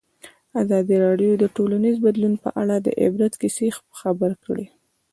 ازادي راډیو د ټولنیز بدلون په اړه د عبرت کیسې خبر کړي.